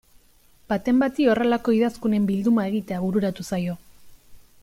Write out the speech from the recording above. Baten bati horrelako idazkunen bilduma egitea bururatu zaio.